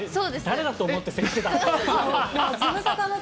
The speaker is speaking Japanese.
誰だと思って接してたの？